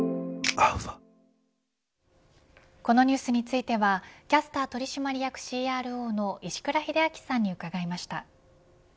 このニュースについてはキャスター取締役ＣＲＯの石倉秀明さんに伺いました。